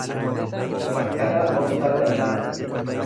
Faqqadaa Obsaa Jabanaa